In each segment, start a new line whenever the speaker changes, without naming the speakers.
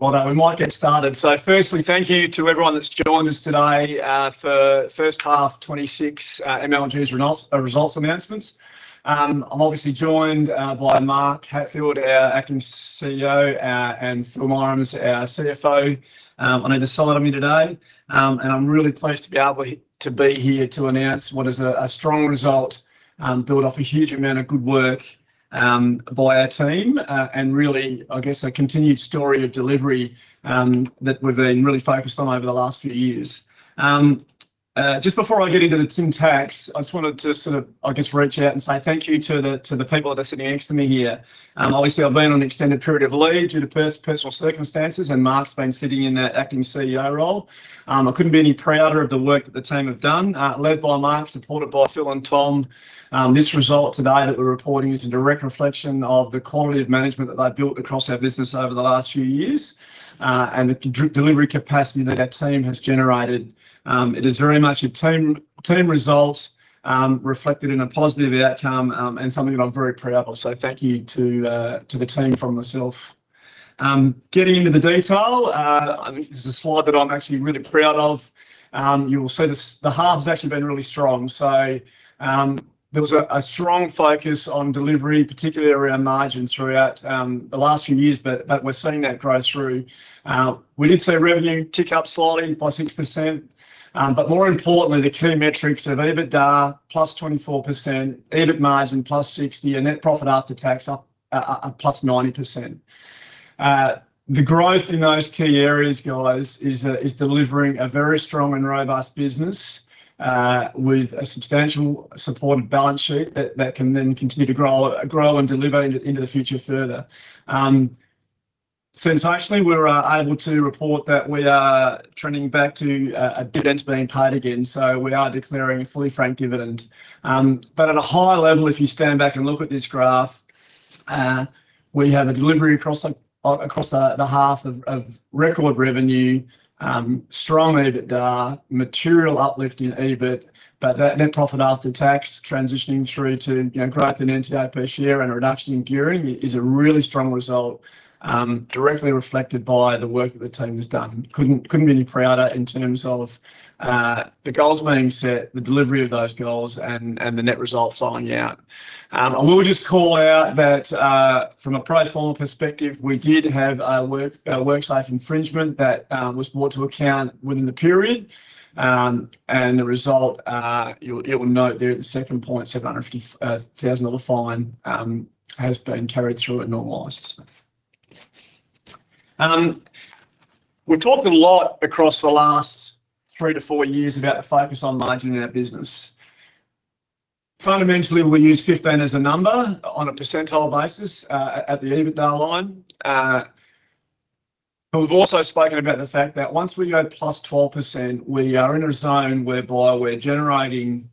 Well, then we might get started. So firstly, thank you to everyone that's joined us today for First Half 2026 MLG's Results Announcements. I'm obviously joined by Mark Hatfield, our acting CEO, and Phil Mirams, our CFO, on either side of me today. And I'm really pleased to be able to be here to announce what is a strong result built off a huge amount of good work by our team and really, I guess, a continued story of delivery that we've been really focused on over the last few years. Just before I get into the syntax, I just wanted to sort of, I guess, reach out and say thank you to the people that are sitting next to me here. Obviously, I've been on an extended period of leave due to personal circumstances, and Mark's been sitting in that acting CEO role. I couldn't be any prouder of the work that the team have done, led by Mark, supported by Phil and Tom. This result today that we're reporting is a direct reflection of the quality of management that they've built across our business over the last few years, and the delivery capacity that our team has generated. It is very much a team result, reflected in a positive outcome, and something that I'm very proud of. So thank you to the team from myself. Getting into the detail, I think this is a slide that I'm actually really proud of. You will see the half's actually been really strong. So, there was a strong focus on delivery, particularly around margins, throughout the last few years, but we're seeing that grow through. We did see revenue tick up slightly by 6%, but more importantly, the key metrics of EBITDA +24%, EBIT margin +60%, and net profit after tax up +90%. The growth in those key areas, guys, is delivering a very strong and robust business, with a substantial supported balance sheet that can then continue to grow and deliver into the future further. Actually, we're able to report that we are trending back to a dividend being paid again, so we are declaring a fully franked dividend. But at a high level, if you stand back and look at this graph, we have a delivery across the half of record revenue, strong EBITDA, material uplift in EBIT, but that net profit after tax, transitioning through to, you know, growth in NTA per share and a reduction in gearing is a really strong result, directly reflected by the work that the team has done. Couldn't be any prouder in terms of the goals being set, the delivery of those goals, and the net result falling out. I will just call out that from a pro forma perspective, we did have a work life infringement that was brought to account within the period. And the result, you will note there, the second point, 750,000 dollar fine, has been carried through and normalized. We've talked a lot across the last three to four years about the focus on managing our business. Fundamentally, we use 15 as a number on a percentile basis at the EBITDA line. But we've also spoken about the fact that once we go +12%, we are in a zone whereby we're generating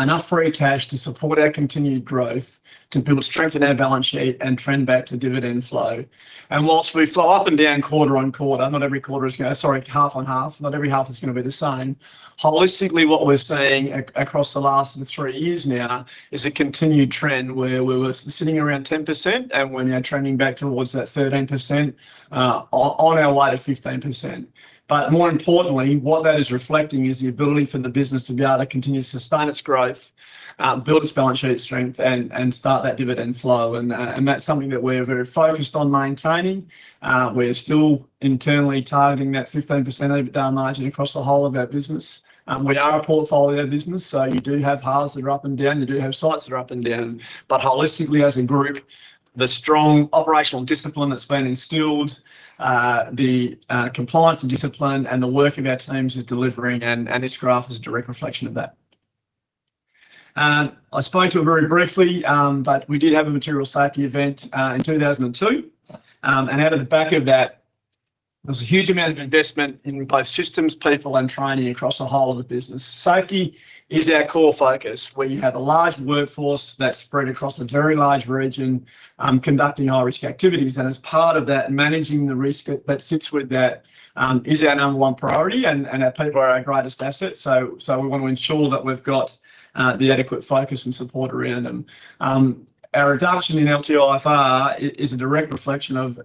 enough free cash to support our continued growth, to build, strengthen our balance sheet and trend back to dividend flow. And whilst we flow up and down quarter-over-quarter, not every quarter is gonna sorry, half-on-half, not every half is gonna be the same. Holistically, what we're seeing across the last three years now is a continued trend where we were sitting around 10%, and we're now trending back towards that 13%, on our way to 15%. But more importantly, what that is reflecting is the ability for the business to be able to continue to sustain its growth, build its balance sheet strength, and start that dividend flow. And that's something that we're very focused on maintaining. We're still internally targeting that 15% EBITDA margin across the whole of our business. We are a portfolio business, so you do have halves that are up and down, you do have sites that are up and down. But holistically, as a group, the strong operational discipline that's been instilled, the compliance and discipline, and the work of our teams is delivering, and this graph is a direct reflection of that. I spoke to it very briefly, but we did have a material safety event in 2022. And out of the back of that, there was a huge amount of investment in both systems, people, and training across the whole of the business. Safety is our core focus, where you have a large workforce that's spread across a very large region, conducting high-risk activities. And as part of that, managing the risk that sits with that is our number one priority, and our people are our greatest asset. So we want to ensure that we've got the adequate focus and support around them. Our reduction in LTIFR is a direct reflection of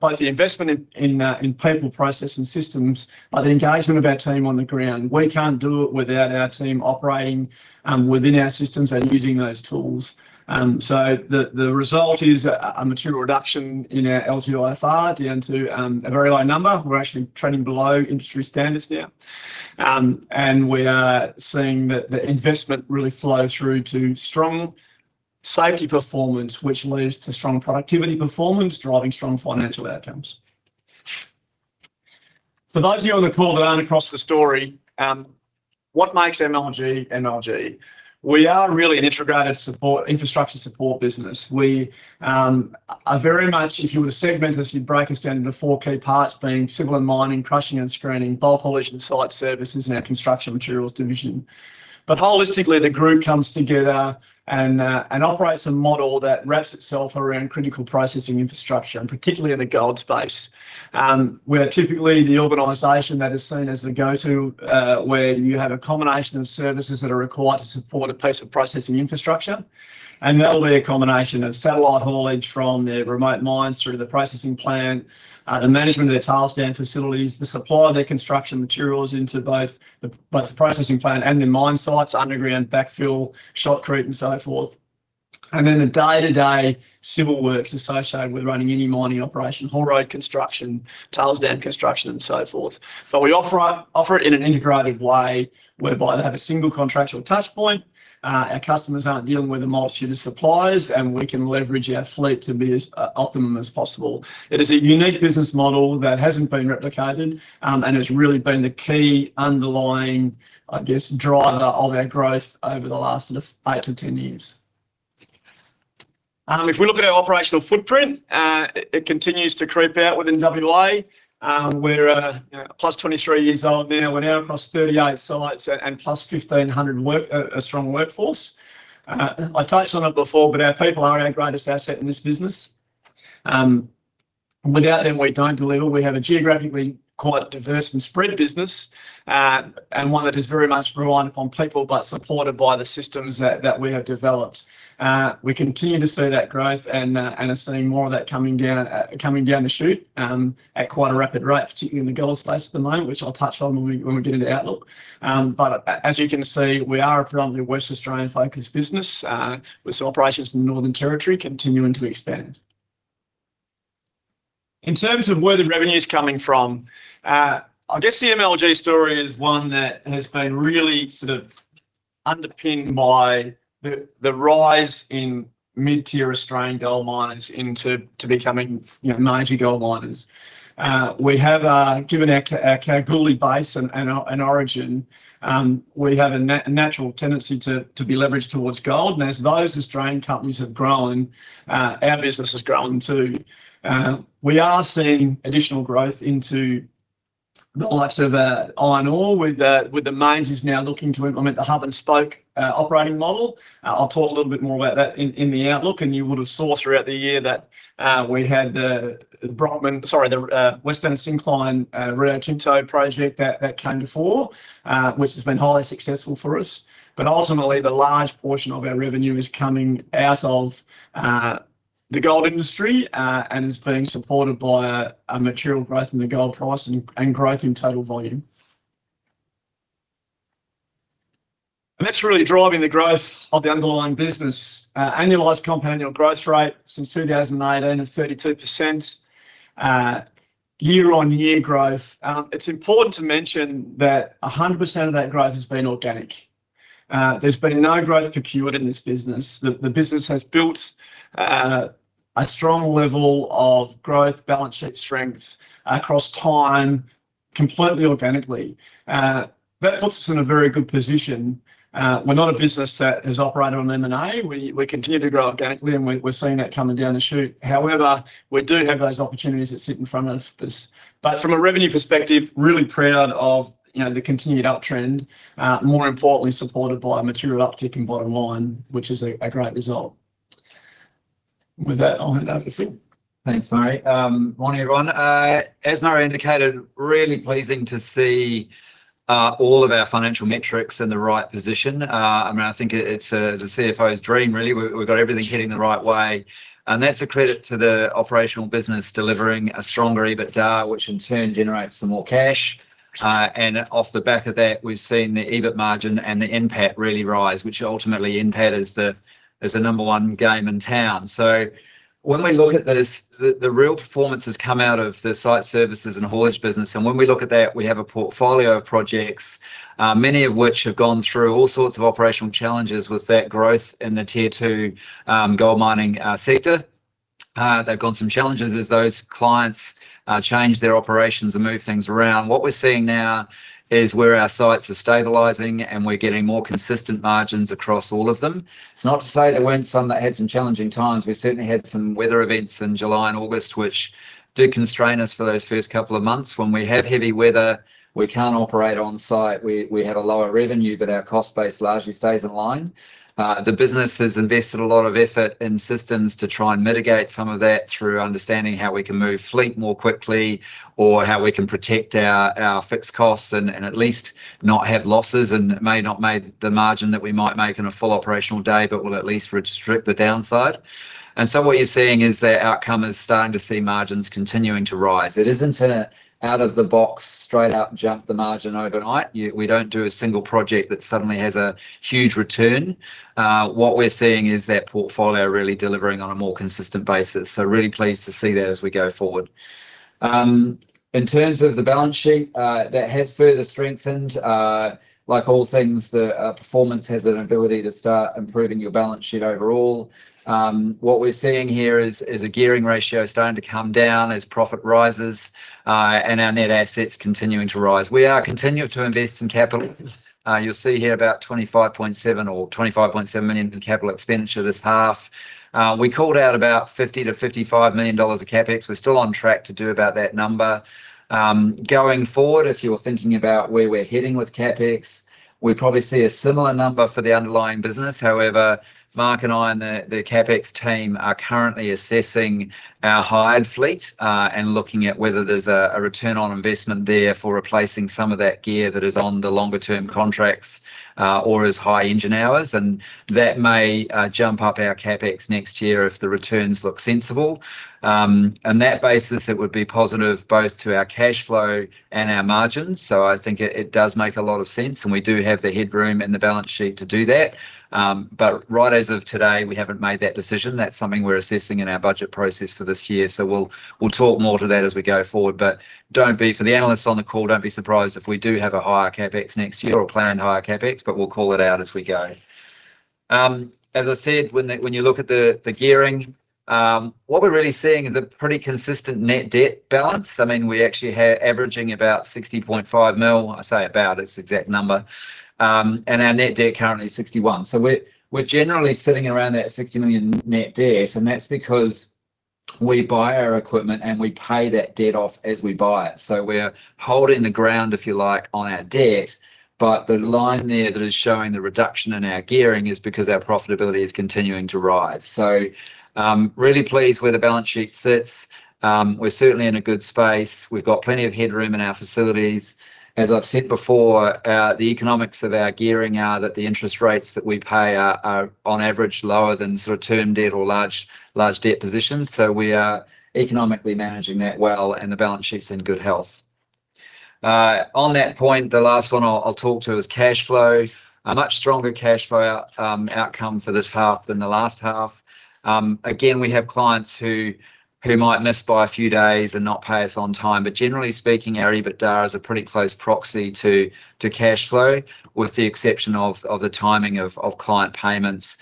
both the investment in people, process, and systems by the engagement of our team on the ground. We can't do it without our team operating within our systems and using those tools. The result is a material reduction in our LTIFR, down to a very low number. We're actually trending below industry standards now. We are seeing that the investment really flow through to strong safety performance, which leads to strong productivity performance, driving strong financial outcomes. For those of you on the call that aren't across the story, what makes MLG, MLG? We are really an integrated support, infrastructure support business. We are very much, if you were to segment us, you'd break us down into four key parts, being civil and mining, crushing and screening, bulk haulage and site services, and our construction materials division. But holistically, the group comes together and operates a model that wraps itself around critical processing infrastructure, and particularly in the gold space. We're typically the organization that is seen as the go-to, where you have a combination of services that are required to support a piece of processing infrastructure. And that'll be a combination of satellite haulage from the remote mines through the processing plant, the management of their tailings facilities, the supply of their construction materials into both the processing plant and the mine sites, underground backfill, shotcrete, and so forth. Then the day-to-day civil works associated with running any mining operation, haul road construction, tailings dam construction, and so forth. But we offer it in an integrated way whereby they have a single contractual touch point. Our customers aren't dealing with a multitude of suppliers, and we can leverage our fleet to be as optimum as possible. It is a unique business model that hasn't been replicated and has really been the key underlying, I guess, driver of our growth over the last sort of eight to 10 years. If we look at our operational footprint, it continues to creep out within WA. We're, you know, 23 years old now. We're now across 38 sites and 1,500-strong workforce. I touched on it before, but our people are our greatest asset in this business. Without them, we don't deliver. We have a geographically quite diverse and spread business, and one that is very much reliant upon people, but supported by the systems that, that we have developed. We continue to see that growth and, and are seeing more of that coming down, coming down the chute, at quite a rapid rate, particularly in the gold space at the moment, which I'll touch on when we, when we get into outlook. But as you can see, we are a predominantly Western Australian-focused business, with some operations in the Northern Territory continuing to expand. In terms of where the revenue's coming from, I guess the MLG story is one that has been really sort of underpinned by the rise in mid-tier Australian gold miners into becoming, you know, major gold miners. We have, given our Kalgoorlie base and origin, we have a natural tendency to be leveraged towards gold, and as those Australian companies have grown, our business has grown too. We are seeing additional growth into the likes of iron ore with the majors now looking to implement the hub and spoke operating model. I'll talk a little bit more about that in the outlook, and you would have saw throughout the year that we had the Western Syncline Rio Tinto project that came before, which has been highly successful for us. But ultimately, the large portion of our revenue is coming out of the gold industry and is being supported by a material growth in the gold price and growth in total volume. And that's really driving the growth of the underlying business. Annualized compound annual growth rate since 2018 of 32%, year-on-year growth. It's important to mention that 100% of that growth has been organic. There's been no growth procured in this business. The business has built a strong level of growth, balance sheet strength across time, completely organically. That puts us in a very good position. We're not a business that has operated on M&A. We, we continue to grow organically, and we're, we're seeing that coming down the chute. However, we do have those opportunities that sit in front of us. But from a revenue perspective, really proud of, you know, the continued uptrend, more importantly, supported by a material uptick in bottom line, which is a great result. With that, I'll hand over to Phil.
Thanks, Murray. Morning, everyone. As Murray indicated, really pleasing to see all of our financial metrics in the right position. I mean, I think it, it's a, it's a CFO's dream, really. We've, we've got everything heading the right way, and that's a credit to the operational business delivering a stronger EBITDA, which in turn generates some more cash. And off the back of that, we've seen the EBIT margin and the NPAT really rise, which ultimately NPAT is the, is the number one game in town. So when we look at this, the, the real performance has come out of the site services and haulage business, and when we look at that, we have a portfolio of projects, many of which have gone through all sorts of operational challenges with that growth in the tier two gold mining sector. They've gone some challenges as those clients change their operations and move things around. What we're seeing now is where our sites are stabilizing, and we're getting more consistent margins across all of them. It's not to say there weren't some that had some challenging times. We certainly had some weather events in July and August, which did constrain us for those first couple of months. When we have heavy weather, we can't operate on site. We have a lower revenue, but our cost base largely stays in line. The business has invested a lot of effort in systems to try and mitigate some of that through understanding how we can move fleet more quickly or how we can protect our fixed costs and at least not have losses, and it may not make the margin that we might make in a full operational day, but will at least restrict the downside. So what you're seeing is that outcome is starting to see margins continuing to rise. It isn't an out-of-the-box, straight-up jump the margin overnight. We don't do a single project that suddenly has a huge return. What we're seeing is that portfolio really delivering on a more consistent basis, so really pleased to see that as we go forward. In terms of the balance sheet, that has further strengthened. Like all things, the performance has an ability to start improving your balance sheet overall. What we're seeing here is a gearing ratio starting to come down as profit rises, and our net assets continuing to rise. We are continuing to invest in capital. You'll see here about 25.7 or 25.7 million in capital expenditure this half. We called out about 50 million-55 million dollars of CapEx. We're still on track to do about that number. Going forward, if you're thinking about where we're heading with CapEx, we probably see a similar number for the underlying business. However, Mark and I and the CapEx team are currently assessing our hired fleet, and looking at whether there's a return on investment there for replacing some of that gear that is on the longer-term contracts, or is high engine hours, and that may jump up our CapEx next year if the returns look sensible. On that basis, it would be positive both to our cash flow and our margins, so I think it does make a lot of sense, and we do have the headroom in the balance sheet to do that. But right as of today, we haven't made that decision. That's something we're assessing in our budget process for this year, so we'll talk more to that as we go forward. But don't be, for the analysts on the call, don't be surprised if we do have a higher CapEx next year or a planned higher CapEx, but we'll call it out as we go. As I said, when you look at the gearing, what we're really seeing is a pretty consistent net debt balance. I mean, we actually have averaging about 60.5 million. I say about, it's an exact number. And our net debt currently is 61 million. So we're generally sitting around that 60 million net debt, and that's because we buy our equipment, and we pay that debt off as we buy it. So we're holding the ground, if you like, on our debt, but the line there that is showing the reduction in our gearing is because our profitability is continuing to rise. So, really pleased where the balance sheet sits. We're certainly in a good space. We've got plenty of headroom in our facilities. As I've said before, the economics of our gearing are that the interest rates that we pay are on average, lower than sort of term debt or large, large debt positions. So we are economically managing that well, and the balance sheet's in good health. On that point, the last one I'll talk to is cash flow. A much stronger cash flow outcome for this half than the last half. Again, we have clients who might miss by a few days and not pay us on time, but generally speaking, our EBITDA is a pretty close proxy to cash flow, with the exception of the timing of client payments.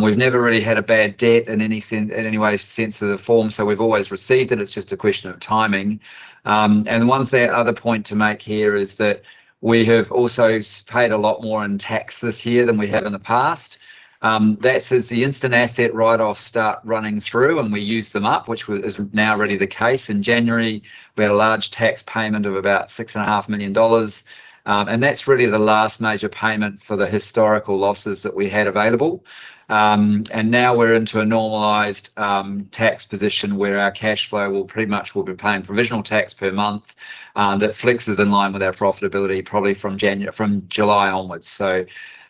We've never really had a bad debt in any way, sense or form, so we've always received it. It's just a question of timing. And one other point to make here is that we have also paid a lot more in tax this year than we have in the past. That's as the instant asset write-offs start running through, and we used them up, which is now really the case. In January, we had a large tax payment of about 6.5 million dollars, and that's really the last major payment for the historical losses that we had available. And now we're into a normalized tax position, where our cash flow will pretty much we'll be paying provisional tax per month, that flexes in line with our profitability, probably from July onwards. So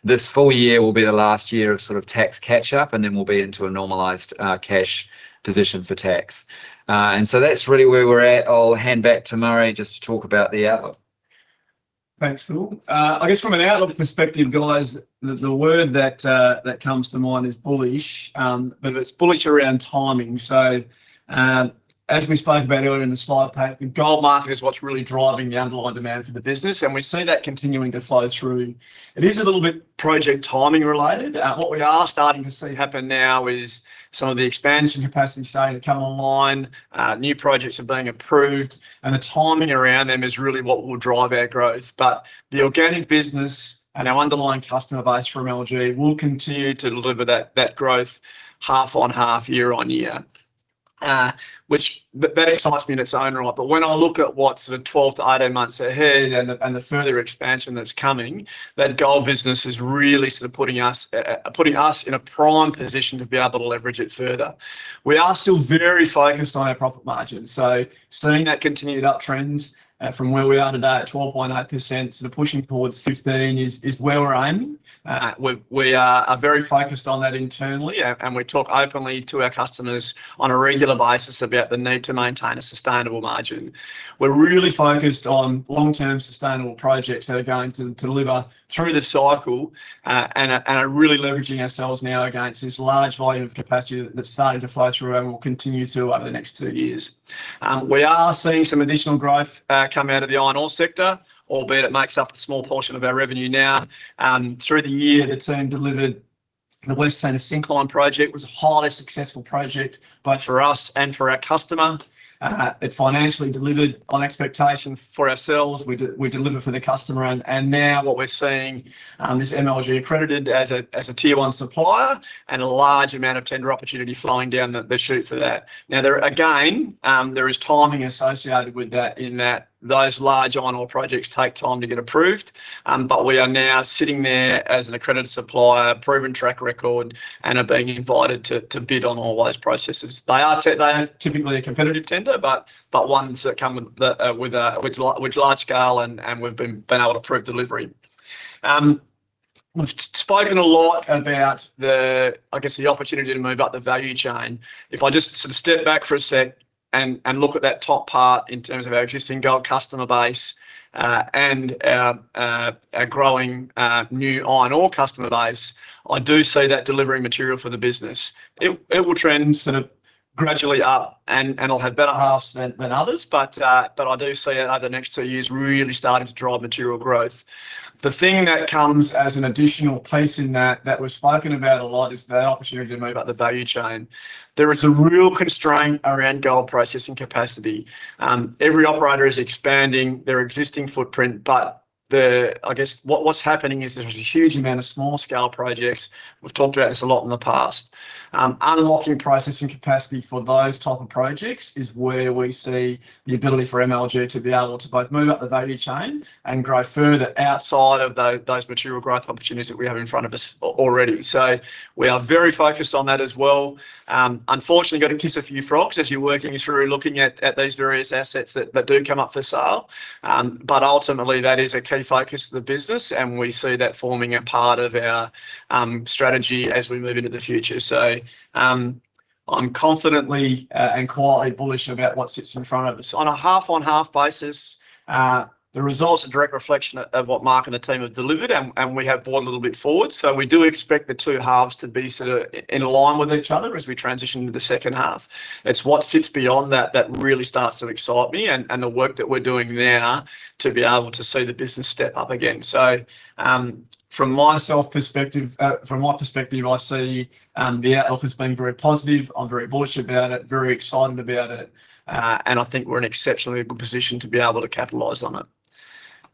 this full year will be the last year of sort of tax catch-up, and then we'll be into a normalized, cash position for tax. And so that's really where we're at. I'll hand back to Murray just to talk about the outlook.
Thanks, Phil. I guess from an outlook perspective, guys, the word that comes to mind is bullish. But it's bullish around timing. So, as we spoke about earlier in the slide pack, the gold market is what's really driving the underlying demand for the business, and we see that continuing to flow through. It is a little bit project timing related. What we are starting to see happen now is some of the expansion capacity starting to come online. New projects are being approved, and the timing around them is really what will drive our growth. But the organic business and our underlying customer base for MLG will continue to deliver that growth half-on-half, year-on-year. But that excites me in its own right. But when I look at what's sort of 12-18 months ahead and the further expansion that's coming, that gold business is really sort of putting us in a prime position to be able to leverage it further. We are still very focused on our profit margins, so seeing that continued uptrend from where we are today at 12.8%, so pushing towards 15% is where we're aiming. We are very focused on that internally, and we talk openly to our customers on a regular basis about the need to maintain a sustainable margin. We're really focused on long-term sustainable projects that are going to deliver through the cycle, and are really leveraging ourselves now against this large volume of capacity that's starting to flow through and will continue to over the next two years. We are seeing some additional growth come out of the iron ore sector, albeit it makes up a small portion of our revenue now. Through the year, the team delivered the West Angelas Syncline project. It was a highly successful project, both for us and for our customer. It financially delivered on expectation for ourselves. We delivered for the customer, and now what we're seeing is MLG accredited as a tier one supplier and a large amount of tender opportunity flowing down the chute for that. Now, there, again, there is timing associated with that, in that those large iron ore projects take time to get approved. But we are now sitting there as an accredited supplier, proven track record, and are being invited to bid on all those processes. They are typically a competitive tender, but ones that come with the, with which large scale, and we've been able to prove delivery. We've spoken a lot about the, I guess, the opportunity to move up the value chain. If I just sort of step back for a sec and look at that top part in terms of our existing gold customer base, and our growing new iron ore customer base, I do see that delivering material for the business. It will trend sort of gradually up, and it'll have better halves than others, but I do see it over the next two years really starting to drive material growth. The thing that comes as an additional piece in that we've spoken about a lot is the opportunity to move up the value chain. There is a real constraint around gold processing capacity. Every operator is expanding their existing footprint, but the, I guess, what's happening is there's a huge amount of small-scale projects. We've talked about this a lot in the past. Unlocking processing capacity for those type of projects is where we see the ability for MLG to be able to both move up the value chain and grow further outside of those material growth opportunities that we have in front of us already. So we are very focused on that as well. Unfortunately, gotta kiss a few frogs as you're working through looking at, at these various assets that, that do come up for sale. But ultimately, that is a key focus of the business, and we see that forming a part of our, strategy as we move into the future. So, I'm confidently, and quietly bullish about what sits in front of us. On a half-on-half basis, the results are a direct reflection of, of what Mark and the team have delivered, and, and we have brought a little bit forward, so we do expect the two halves to be sort of in line with each other as we transition to the second half. It's what sits beyond that that really starts to excite me, and the work that we're doing now to be able to see the business step up again. So, from my perspective, I see the outlook as being very positive. I'm very bullish about it, very excited about it, and I think we're in an exceptionally good position to be able to capitalize on it.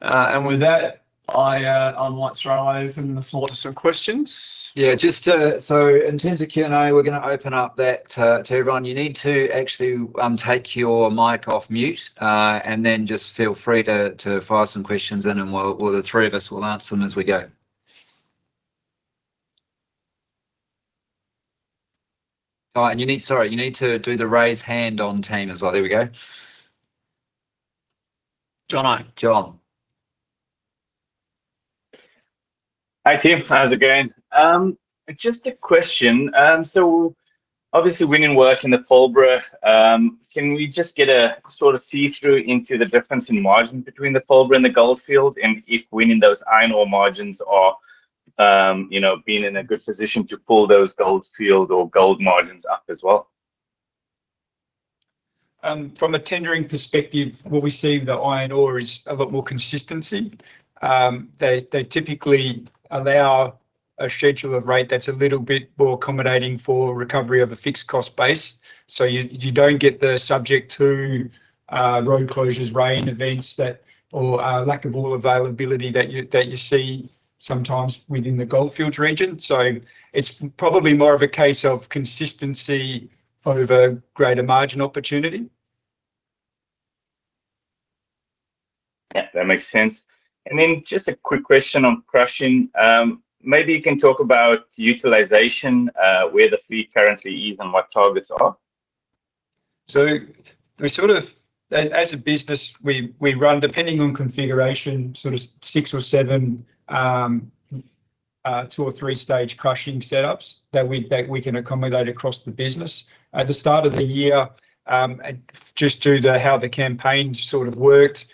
And with that, I might throw open the floor to some questions.
Yeah, just to, so in terms of Q&A, we're gonna open up that to, to everyone. You need to actually take your mic off mute, and then just feel free to, to fire some questions in, and we'll, well, the three of us will answer them as we go. Oh, and you need sorry, you need to do the raise hand on Team as well. There we go.
John I.
John.
Hi, team. How's it going? Just a question. So obviously winning work in the Pilbara, can we just get a sort of see-through into the difference in margin between the Pilbara and the Goldfields, and if winning those iron ore margins are, you know, being in a good position to pull those Goldfields or gold margins up as well?
From a tendering perspective, what we see in the iron ore is a lot more consistency. They typically allow a schedule of rate that's a little bit more accommodating for recovery of a fixed cost base. So you don't get subject to road closures, rain events, or lack of ore availability that you see sometimes within the Goldfields region. So it's probably more of a case of consistency over greater margin opportunity.
Yeah, that makes sense. Then just a quick question on crushing. Maybe you can talk about utilization, where the fleet currently is and what targets are?
So we sort of, as a business, we run, depending on configuration, sort of six or seven, two or three stage crushing setups that we can accommodate across the business. At the start of the year, and just due to how the campaign sort of worked,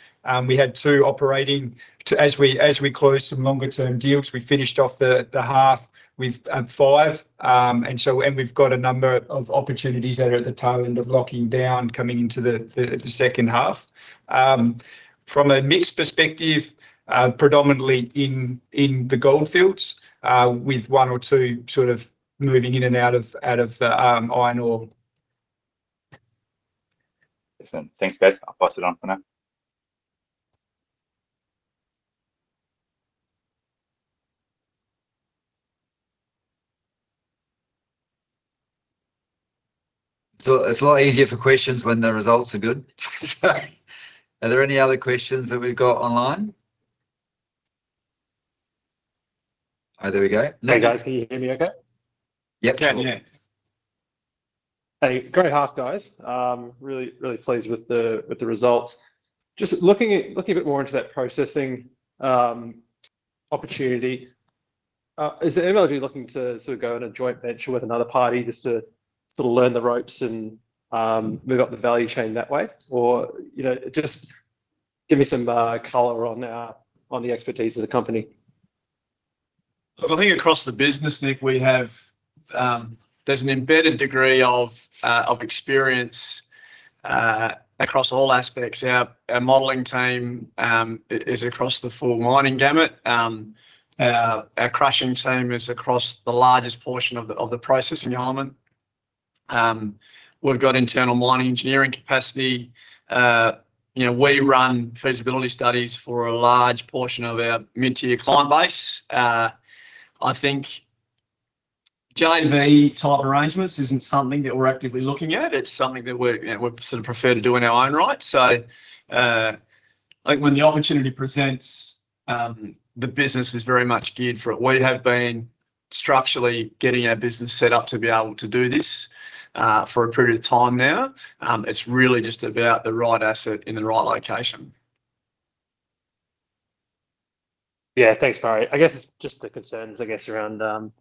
we had two operating. As we closed some longer-term deals, we finished off the half with five. And we've got a number of opportunities that are at the tail end of locking down, coming into the second half. From a mixed perspective, predominantly in the Goldfields, with one or two sort of moving in and out of iron ore.
Excellent. Thanks, guys. I'll pass it on for now.
So it's a lot easier for questions when the results are good. Are there any other questions that we've got online? Oh, there we go.
Hey, guys, can you hear me okay?
Yep.
Can, yeah.
Hey, great half, guys. Really pleased with the results. Just looking a bit more into that processing opportunity, is MLG looking to sort of go on a joint venture with another party just to sort of learn the ropes and move up the value chain that way? Or, you know, just give me some color on the expertise of the company.
Look, I think across the business, Nick, we have, there's an embedded degree of experience across all aspects. Our modeling team is across the full mining gamut. Our crushing team is across the largest portion of the processing element. We've got internal mining engineering capacity. You know, we run feasibility studies for a large portion of our mid-tier client base. I think JV type arrangements isn't something that we're actively looking at. It's something that we sort of prefer to do in our own right. So, like, when the opportunity presents, the business is very much geared for it. We have been structurally getting our business set up to be able to do this for a period of time now. It's really just about the right asset in the right location.
Yeah. Thanks, Murray. I guess it's just the concerns, I guess, around,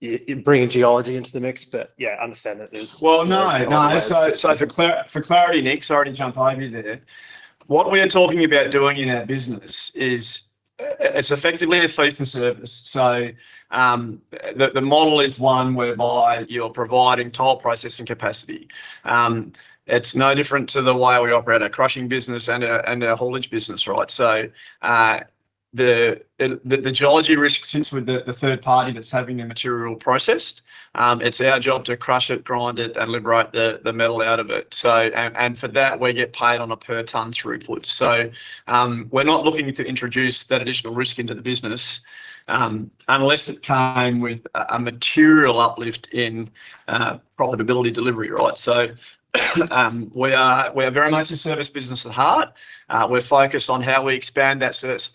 you, bringing geology into the mix, but, yeah, I understand that there's
Well, no, no. So, for clarity, Nick, sorry to jump on you there. What we are talking about doing in our business is, it's effectively a fee for service. So, the model is one whereby you're providing tile processing capacity. It's no different to the way we operate our crushing business and our haulage business, right? So, the geology risk sits with the third party that's having the material processed. It's our job to crush it, grind it, and liberate the metal out of it. So, for that, we get paid on a per ton throughput. So, we're not looking to introduce that additional risk into the business, unless it came with a material uplift in profitability delivery, right? So, we are very much a service business at heart. We're focused on how we're expanding that service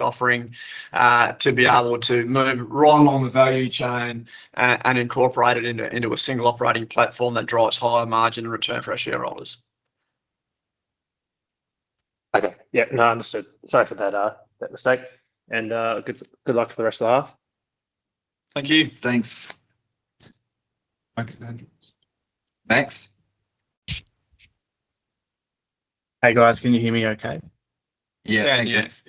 offering to be able to move right along the value chain and incorporate it into a single operating platform that drives higher margin and return for our shareholders.
Okay. Yeah, no, understood. Sorry for that, that mistake, and, good, good luck for the rest of the half.
Thank you.
Thanks.
Thanks, Phil.
Thanks.
Hey, guys. Can you hear me okay?
Yeah.
Yeah, yes.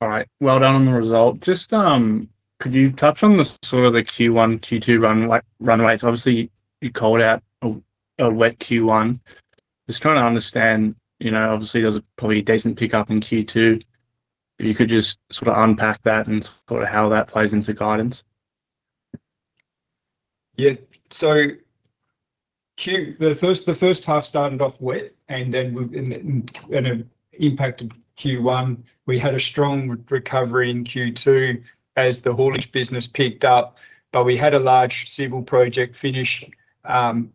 All right. Well done on the result. Just, could you touch on the sort of the Q1, Q2 runways? Obviously, you called out a wet Q1. Just trying to understand, you know, obviously, there's probably a decent pickup in Q2. If you could just sort of unpack that and sort of how that plays into guidance.
Yeah, so the first half started off wet, and then it impacted Q1. We had a strong recovery in Q2 as the haulage business picked up, but we had a large civil project finish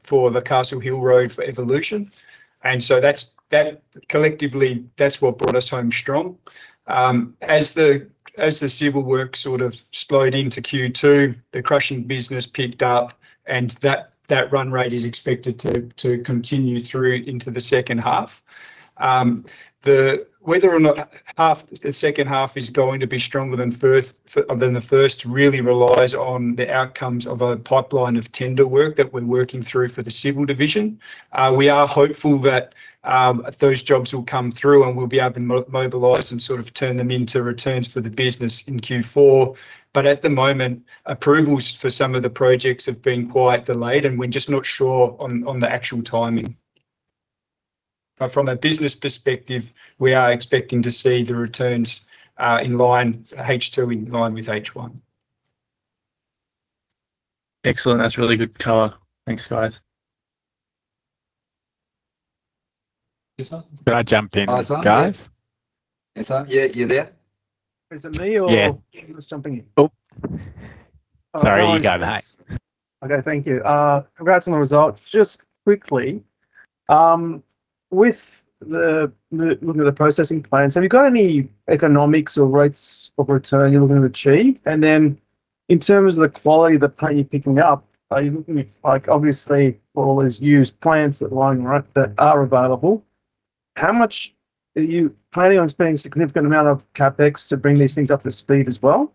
for the Castle Hill Road for Evolution. And so that's collectively what brought us home strong. As the civil work sort of slowed into Q2, the crushing business picked up, and that run rate is expected to continue through into the second half. Whether or not the second half is going to be stronger than the first really relies on the outcomes of a pipeline of tender work that we're working through for the civil division. We are hopeful that those jobs will come through, and we'll be able to mobilize and sort of turn them into returns for the business in Q4. But at the moment, approvals for some of the projects have been quite delayed, and we're just not sure on the actual timing. But from a business perspective, we are expecting to see the returns in line, H2 in line with H1.
Excellent. That's a really good color. Thanks, guys.
Yes, sir?
Can I jump in, guys?
Oh, sorry. Yes, sir? Yeah, you're there.
Is it me or
Yeah.
He was jumping in.
Oh, sorry. You go, mate.
Okay. Thank you. Congrats on the results. Just quickly, with the looking at the processing plants, have you got any economics or rates of return you're looking to achieve? And then, in terms of the quality of the plant you're picking up, are you looking at, like, obviously, all these used plants that are lying, right, that are available, how much are you planning on spending a significant amount of CapEx to bring these things up to speed as well?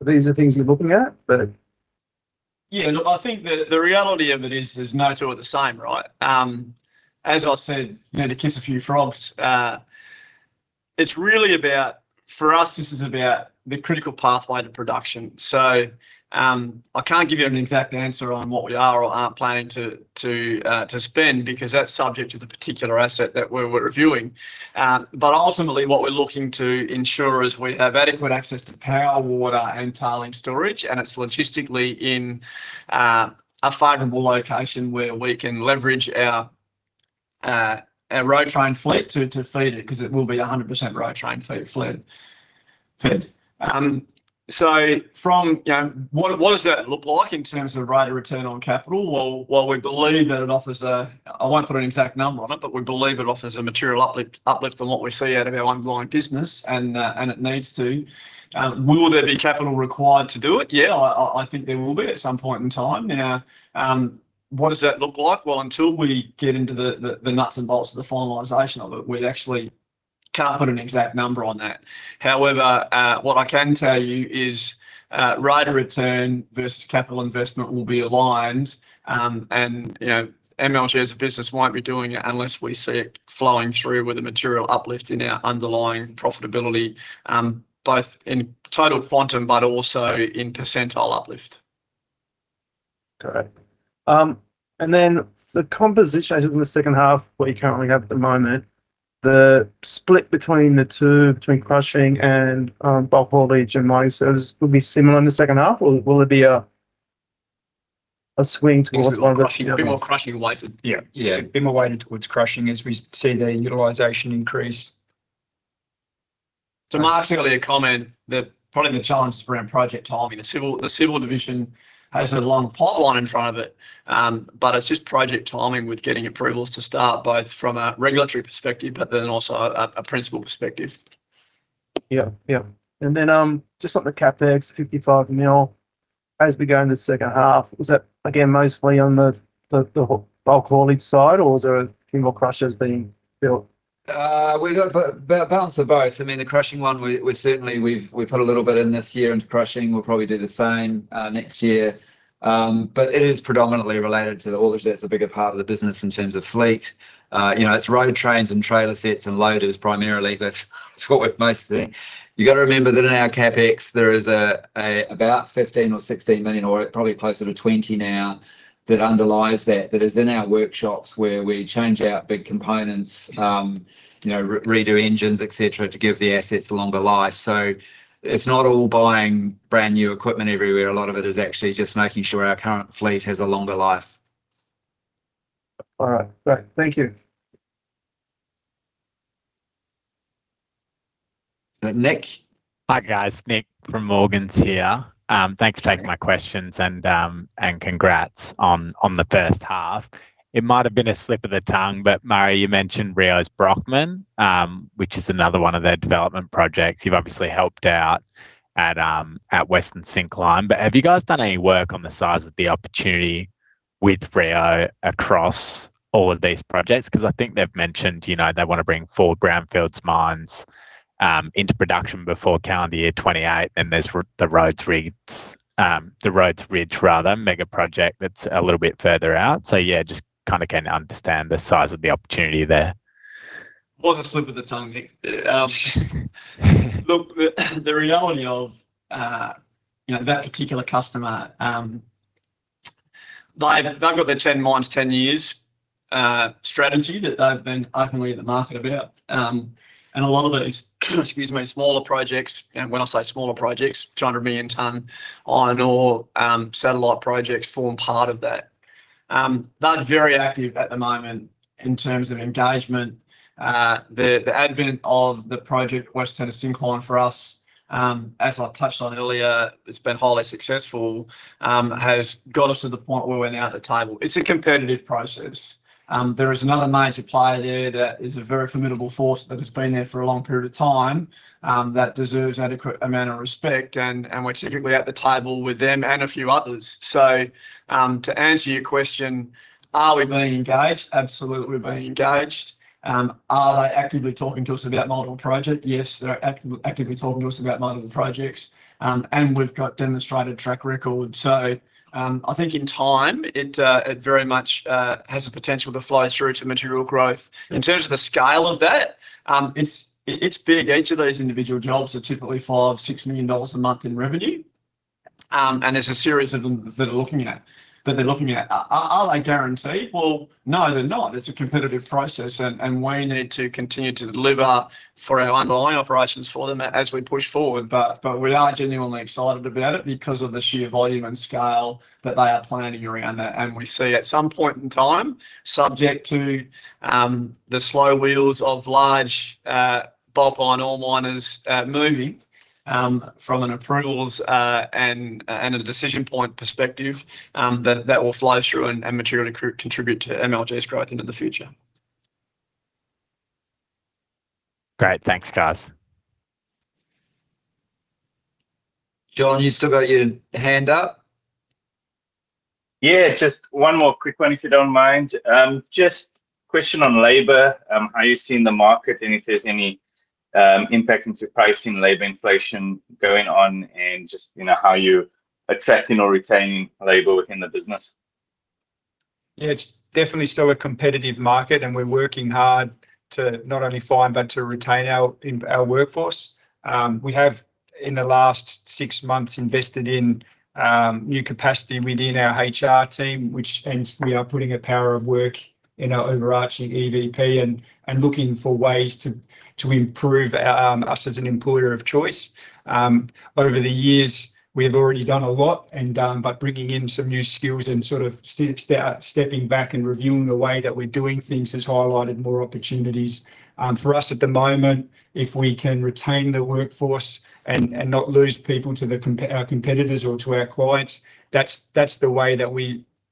Are these the things you're looking at? But.
Yeah, look, I think the reality of it is there's no two are the same, right? As I've said, you know, to kiss a few frogs, it's really about, for us, this is about the critical pathway to production. So, I can't give you an exact answer on what we are or aren't planning to spend, because that's subject to the particular asset that we're reviewing. But ultimately, what we're looking to ensure is we have adequate access to power, water, and tailings storage, and it's logistically in a favorable location where we can leverage our road train fleet to feed it, 'cause it will be 100% road train fleet fed. So from, you know, what does that look like in terms of rate of return on capital? Well, while we believe that it offers a I won't put an exact number on it, but we believe it offers a material uplift from what we see out of our underlying business, and it needs to. Will there be capital required to do it? Yeah, I think there will be at some point in time. Now, what does that look like? Well, until we get into the nuts and bolts of the finalization of it, we actually can't put an exact number on that. However, what I can tell you is, rate of return vesus capital investment will be aligned. And, you know, ML shares of business won't be doing it unless we see it flowing through with a material uplift in our underlying profitability, both in total quantum, but also in percentile uplift.
Great. And then the composition in the second half, what you currently have at the moment, the split between the two, between crushing and bulk haulage and mining services, will be similar in the second half, or will it be a swing towards one-
A bit more crushing weighted.
Yeah.
Yeah.
A bit more weighted towards crushing as we see the utilization increase.
To Mark, certainly a comment that probably the challenge is around project timing. The civil division has a long pipeline in front of it, but it's just project timing with getting approvals to start, both from a regulatory perspective, but then also a principal perspective.
Yeah. Yeah. And then, just on the CapEx, 55 million, as we go into the second half, is that again, mostly on the bulk haulage side, or is there a few more crushers being built?
We've got a balance of both. I mean, the crushing one, we certainly, we've put a little bit in this year into crushing. We'll probably do the same next year. But it is predominantly related to the haulage. That's the bigger part of the business in terms of fleet. You know, it's road trains and trailer sets and loaders primarily. That's what we're mostly. You gotta remember that in our CapEx there is about 15 million or 16 million, or probably closer to 20 million now, that underlies that. That is in our workshops where we change out big components, you know, redo engines, et cetera, to give the assets a longer life. So it's not all buying brand-new equipment everywhere. A lot of it is actually just making sure our current fleet has a longer life.
All right. Great. Thank you.
Uh, Nick?
Hi, guys. Nick from Morgans here. Thanks for taking my questions, and congrats on the first half. It might have been a slip of the tongue, but Murray, you mentioned Rio's Brockman, which is another one of their development projects. You've obviously helped out at Western Syncline. But have you guys done any work on the size of the opportunity with Rio across all of these projects? 'Cause I think they've mentioned, you know, they want to bring four greenfield mines into production before calendar year 2028, and there's the Rhodes Ridge, rather, mega project that's a little bit further out. So yeah, just kind of getting to understand the size of the opportunity there.
was a slip of the tongue, Nick. Look, the reality of, you know, that particular customer, they've got their 10 mines, 10-years strategy that they've been openly in the market about. And a lot of these, excuse me, smaller projects, and when I say smaller projects, 200 million ton iron ore satellite projects form part of that. They're very active at the moment in terms of engagement. The advent of the Project Western Turner Syncline for us, as I touched on earlier, it's been highly successful, has got us to the point where we're now at the table. It's a competitive process. There is another major player there that is a very formidable force that has been there for a long period of time, that deserves adequate amount of respect, and we're typically at the table with them and a few others. So, to answer your question, are we being engaged? Absolutely, we're being engaged. Are they actively talking to us about multiple project? Yes, they're actively talking to us about multiple projects. And we've got demonstrated track record. So, I think in time, it very much has the potential to flow through to material growth. In terms of the scale of that, it's big. Each of these individual jobs are typically AUD five to six million a month in revenue. And there's a series of them that they're looking at, that they're looking at. Are they guaranteed? Well, no, they're not. It's a competitive process, and we need to continue to deliver for our underlying operations for them as we push forward. But we are genuinely excited about it because of the sheer volume and scale that they are planning around that. And we see at some point in time, subject to the slow wheels of large bulk iron ore miners moving from an approvals and a decision point perspective, that that will flow through and materially contribute to MLG's growth into the future.
Great. Thanks, guys.
John, you still got your hand up?
Yeah, just one more quick one, if you don't mind. Just question on labor. How are you seeing the market, and if there's any impact into pricing, labor inflation going on, and just, you know, how are you attracting or retaining labor within the business?
Yeah, it's definitely still a competitive market, and we're working hard to not only find, but to retain our workforce. We have, in the last six months, invested in new capacity within our HR team, which and we are putting a power of work in our overarching EVP and looking for ways to improve us as an employer of choice. Over the years, we've already done a lot, and by bringing in some new skills and sort of stepping back and reviewing the way that we're doing things has highlighted more opportunities. For us at the moment, if we can retain the workforce and not lose people to our competitors or to our clients, that's the way that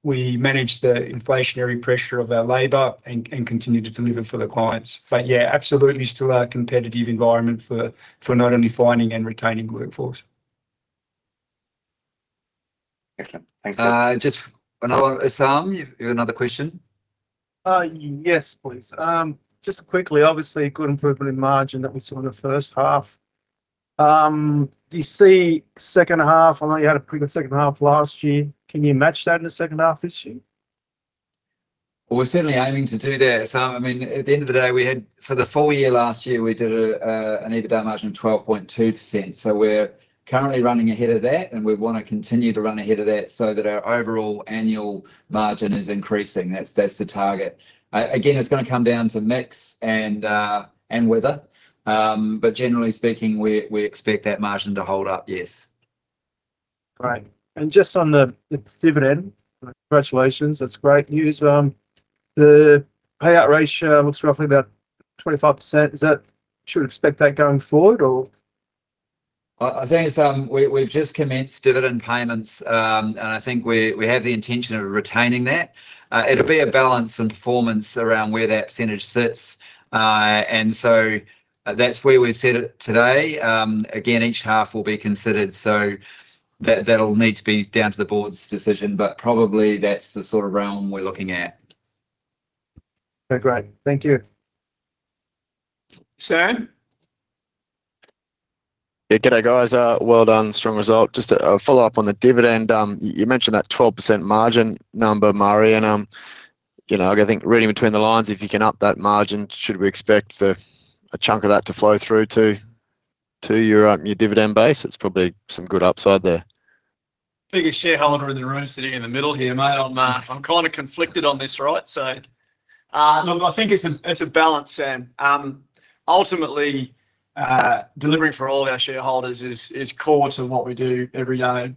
we manage the inflationary pressure of our labor and continue to deliver for the clients. But yeah, absolutely still a competitive environment for not only finding and retaining workforce.
Excellent. Thank you.
Just another sam, you have another question?
Yes, please. Just quickly, obviously, good improvement in margin that we saw in the first half. Do you see second half I know you had a pretty good second half last year, can you match that in the second half this year?
Well, we're certainly aiming to do that. I mean, at the end of the day, we had, for the full year last year, we did an EBITDA margin of 12.2%. So we're currently running ahead of that, and we want to continue to run ahead of that so that our overall annual margin is increasing. That's, that's the target. Again, it's gonna come down to mix and, and weather. But generally speaking, we, we expect that margin to hold up, yes.
Great. And just on the dividend, congratulations, that's great news. The payout ratio looks roughly about 25%. Is that should we expect that going forward or?
Well, I think we've just commenced dividend payments, and I think we have the intention of retaining that. It'll be a balance and performance around where that percentage sits. And so, that's where we've set it today. Again, each half will be considered, so that'll need to be down to the board's decision, but probably that's the sort of realm we're looking at.
Okay, great. Thank you.
Sam?
Yeah, good day, guys. Well done. Strong result. Just a follow-up on the dividend. You mentioned that 12% margin number, Murray, and, you know, I think reading between the lines, if you can up that margin, should we expect a chunk of that to flow through to your dividend base? It's probably some good upside there.
Biggest shareholder in the room, sitting in the middle here, mate. I'm kind of conflicted on this, right? So, no, I think it's a balance, Sam. Ultimately, delivering for all of our shareholders is core to what we do every day.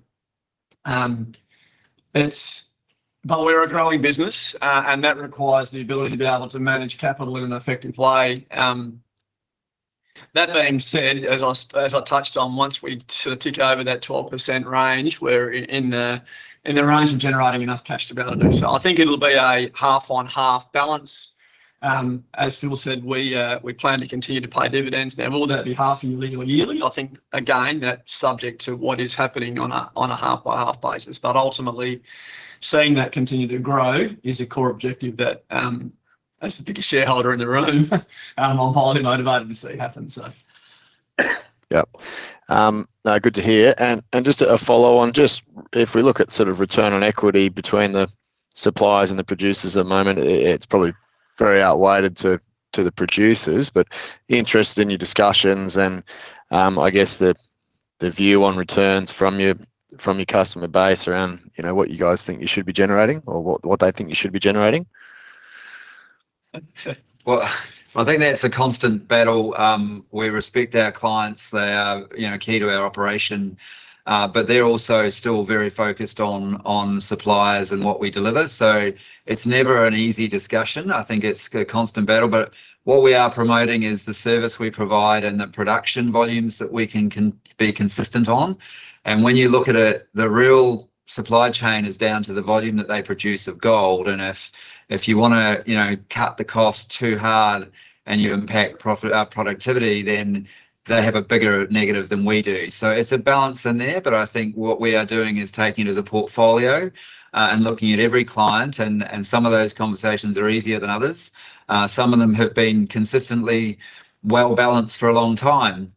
It's but we're a growing business, and that requires the ability to manage capital in an effective way. That being said, as I touched on, once we sort of tick over that 12% range, we're in the range of generating enough cash to be able to do so. I think it'll be a half-on-half balance. As Phil said, we plan to continue to pay dividends. Now, will that be half yearly or yearly? I think, again, that's subject to what is happening on a half-by-half basis. But ultimately, seeing that continue to grow is a core objective that, as the biggest shareholder in the room, I'm highly motivated to see happen, so.
Yep. No, good to hear. And, and just a follow on, just if we look at sort of return on equity between the suppliers and the producers at the moment, it, it's probably very outweighed to, to the producers, but interested in your discussions and, I guess the view on returns from your, from your customer base around, you know, what you guys think you should be generating or what, what they think you should be generating?
Well, I think that's a constant battle. We respect our clients, they are, you know, key to our operation, but they're also still very focused on, on suppliers and what we deliver. So it's never an easy discussion. I think it's a constant battle, but what we are promoting is the service we provide and the production volumes that we can be consistent on. And when you look at it, the real supply chain is down to the volume that they produce of gold, and if, if you wanna, you know, cut the cost too hard and you impact profit, our productivity, then they have a bigger negative than we do. So it's a balance in there, but I think what we are doing is taking it as a portfolio, and looking at every client, and, and some of those conversations are easier than others. Some of them have been consistently well-balanced for a long time.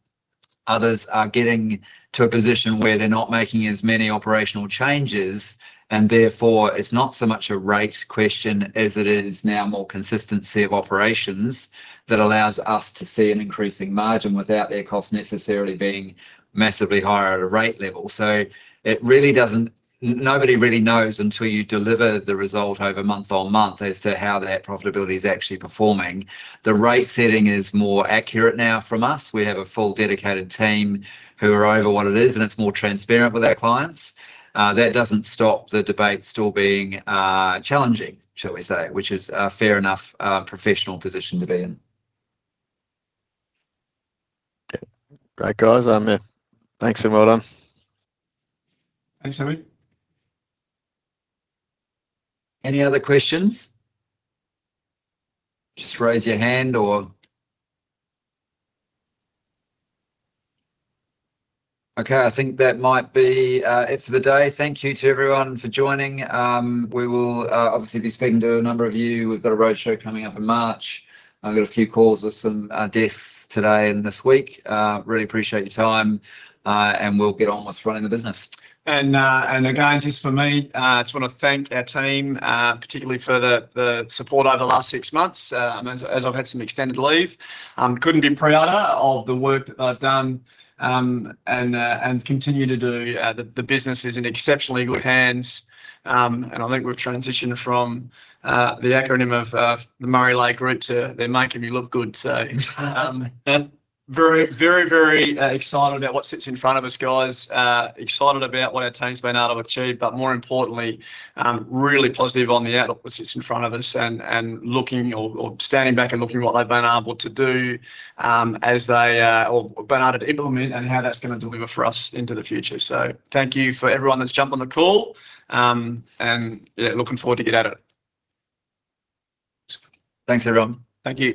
Others are getting to a position where they're not making as many operational changes, and therefore, it's not so much a rate question as it is now more consistency of operations that allows us to see an increasing margin without their cost necessarily being massively higher at a rate level. So it really doesn't. Nobody really knows until you deliver the result over month on month as to how that profitability is actually performing. The rate setting is more accurate now from us. We have a full dedicated team who are over what it is, and it's more transparent with our clients. That doesn't stop the debate still being challenging, shall we say, which is a fair enough professional position to be in.
Okay. Great, guys. Yeah, thanks and well done.
Thanks, Phil.
Any other questions? Just raise your hand or okay, I think that might be it for the day. Thank you to everyone for joining. We will obviously be speaking to a number of you. We've got a roadshow coming up in March. I've got a few calls with some desks today and this week. Really appreciate your time, and we'll get on with running the business.
And again, just for me, I just wanna thank our team, particularly for the support over the last six months, as I've had some extended leave. Couldn't be prouder of the work that they've done, and continue to do. The business is in exceptionally good hands, and I think we've transitioned from the acronym of the Murray Leahy Group to, "They're making me look good," so very, very, very excited about what sits in front of us, guys. Excited about what our team's been able to achieve, but more importantly, really positive on the outlook that sits in front of us and looking, or standing back and looking what they've been able to do, as they've been able to implement and how that's gonna deliver for us into the future. So thank you for everyone that's jumped on the call, and yeah, looking forward to get at it.
Thanks, everyone.
Thank you.